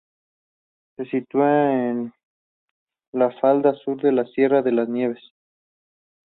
Se sitúa en la falda sur de la Sierra de las Nieves.